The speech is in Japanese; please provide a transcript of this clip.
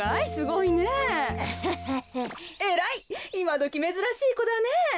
いまどきめずらしいこだねえ。